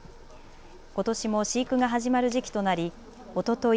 ことしも飼育が始まる時期となりおととい